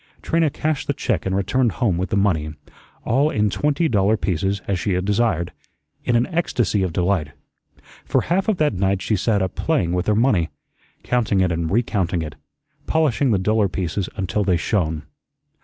Trina cashed the check and returned home with the money all in twenty dollar pieces as she had desired in an ecstasy of delight. For half of that night she sat up playing with her money, counting it and recounting it, polishing the duller pieces until they shone.